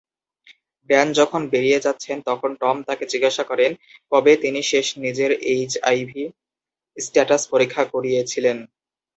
Dan যখন বেরিয়ে যাচ্ছেন, তখন টম তাকে জিজ্ঞাসা করেন, কবে তিনি শেষ নিজের এইচআইভি স্ট্যাটাস পরীক্ষা করিয়েছিলেন।